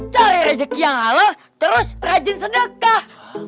cari rezeki yang alah terus rajin sedekah